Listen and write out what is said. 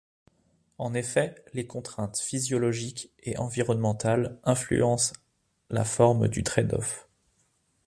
En effet, les contraintes physiologiques et environnementales influencent la forme du trade-off.